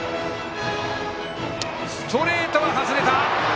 ストレートは外れた。